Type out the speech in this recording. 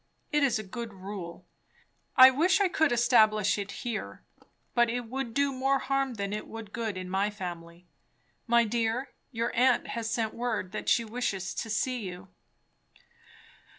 It is a good rule. I wish I could establish it here; but it would do more harm than it would good in my family. My dear, your aunt has sent word that she wishes to see you."